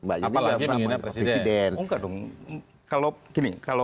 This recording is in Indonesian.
apalagi menghina presiden